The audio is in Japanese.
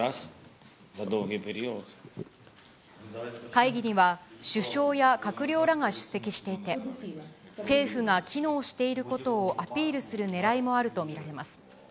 会議には首相や閣僚らが出席していて、政府が機能していることをアピールするねらいもあると見られます。